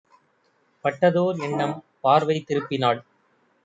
பட்டதோர் எண்ணம்! பார்வை திருப்பினாள்: